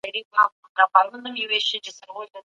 په بشري قوانینو کي دغه حق ته پاملرنه کېږي.